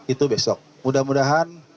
itu besok mudah mudahan